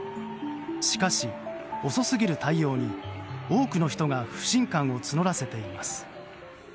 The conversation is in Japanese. しかし遅すぎる対応に多くの人が不信感を募らせています。